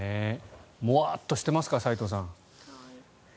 モワッとしていますか齋藤さん。